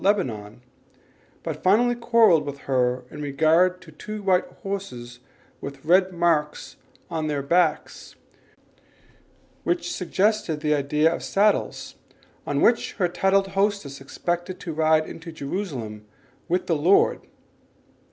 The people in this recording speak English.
Lebanon, but finally quarrelled with her in regard to two white horses with red marks on their backs which suggested the idea of saddles, on which her titled hostess expected to ride into Jerusalem with the Lord.